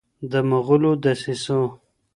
د مغولو دسیسو